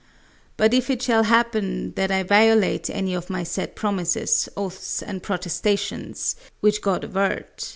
But if it shall happen that I violate any of my said promises, oaths, and protestations (which God avert!)